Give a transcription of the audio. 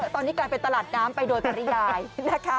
ตอนนี้กลายเป็นตลาดน้ำไปโดยปริยายนะคะ